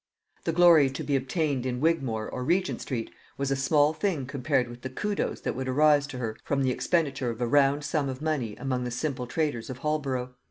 The glory to be obtained in Wigmore or Regent street was a small thing compared with the kudos that would arise to her from the expenditure of a round sum of money among the simple traders of Holborough.